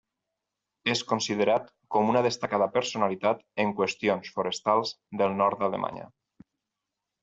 És considerat com una destacada personalitat en qüestions forestals del nord d'Alemanya.